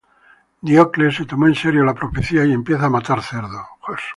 Diocles se toma en serio la profecía, y empieza a matar cerdos.